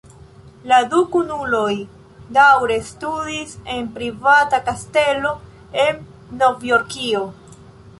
La du kunuloj daŭre studis en privata kastelo en Novjorkio.